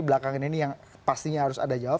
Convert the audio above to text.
belakangan ini yang pastinya harus ada jawab